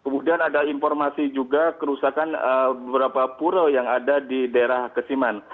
kemudian ada informasi juga kerusakan beberapa pura yang ada di daerah kesiman